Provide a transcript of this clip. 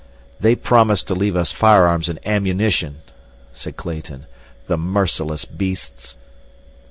"They promised to leave us firearms and ammunition," said Clayton. "The merciless beasts!"